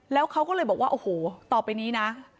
แล้วเขาก็เลยบอกว่าโอ้โหต่อไปนี้นะ